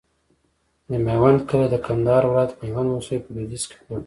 د میوند کلی د کندهار ولایت، میوند ولسوالي په لویدیځ کې پروت دی.